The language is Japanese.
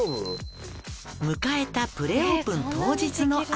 「迎えたプレオープン当日の朝」